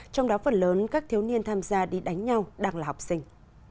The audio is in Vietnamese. trong đó phần lớn các thiếu niên tham gia đi đánh nhau đang là học sinh